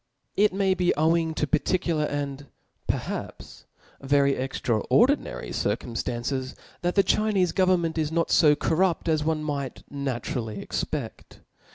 It may be owing to particular, and perhaps ver y extraordinary circum ftances; that the Chinefe government is not fo cor rupt as one might naturally expedt.